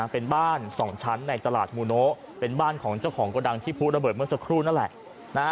เป็นบ้าน๒ชั้นในตลาดมูโนเป็นบ้านของเจ้าของกระดังที่ผู้ระเบิดเมื่อสักครู่นั่นแหละ